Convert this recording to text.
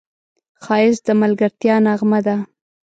ښایست د ملګرتیا نغمه ده